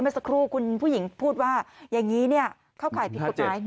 เมื่อสักครู่คุณผู้หญิงพูดว่าอย่างนี้เข้าข่ายผิดกฎหมาย